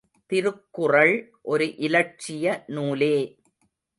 திருக்குறள் ஒரு இலட்சிய நூலே!